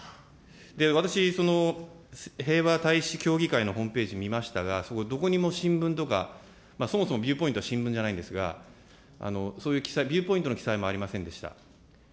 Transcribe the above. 私、その平和大使協議会のホームページ見ましたが、どこにも新聞とか、そもそもビューポイントは新聞じゃないんですが、そういう、ビューポイントの記載もありませんでした。